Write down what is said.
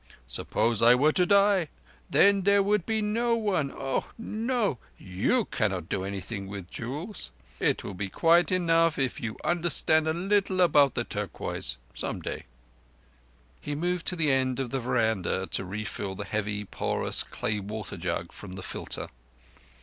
Suppose I were to die! Then there would be no one ... Oh no! You cannot do anything with jewels. It will be quite enough if you understand a little about the Turquoise—some day." He moved to the end of the veranda to refill the heavy, porous clay water jug from the filter.